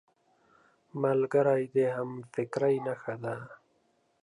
ملګری د همفکرۍ نښه ده